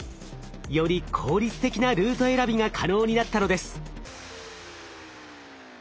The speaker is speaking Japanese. より効率的なルート選びが可能になったのです。